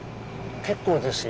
結構ですよ。